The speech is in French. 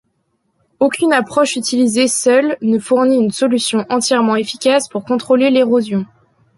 Aucune approche utilisée seule ne fournit une solution entièrement efficace pour contrôler l'érosion.